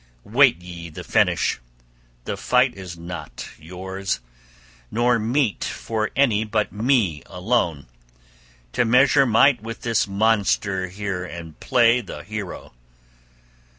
Wait ye the finish. The fight is not yours, nor meet for any but me alone to measure might with this monster here and play the hero.